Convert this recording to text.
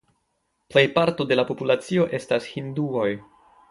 Plejparto de la populacio estas hinduoj.